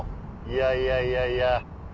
いやいやいやいや。